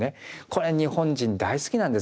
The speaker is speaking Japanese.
これ日本人大好きなんですよね